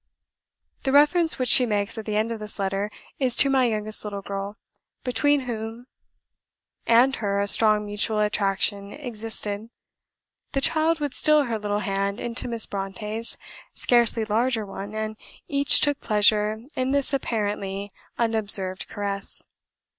The reference which she makes at the end of this letter is to my youngest little girl, between whom and her a strong mutual attraction existed. The child would steal her little hand into Miss Brontë's scarcely larger one, and each took pleasure in this apparently unobserved caress.